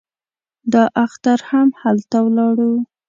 دا اختر هم هلته ولاړو.